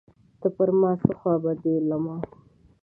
ته پر څه خوابدی یې له ما